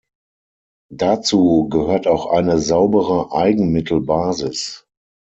Dazu gehört auch eine saubere Eigenmittelbasis.